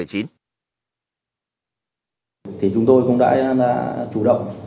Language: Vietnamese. chúng tôi cũng đã chủ động